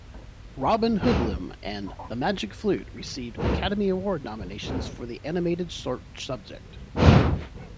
"Robin Hoodlum" and "The Magic Fluke" received Academy Award nominations for Animated Short Subject.